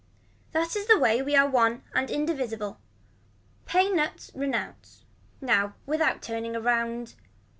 That is the way we are one and indivisible. Pay nuts renounce. Now without turning around.